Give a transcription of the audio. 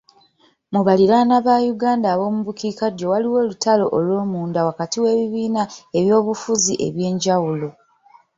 Mu baliraanwa ba Uganda ab'omu bukiikaddyo waliwo olutalo olwomunda wakati w'ebibiina by'ebyobufuzi ebyenjawulo.